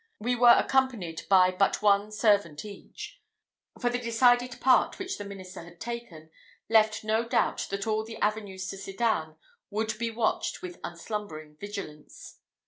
We were accompanied by but one servant each; for the decided part which the minister had taken, left no doubt that all the avenues to Sedan would be watched with unslumbering vigilance.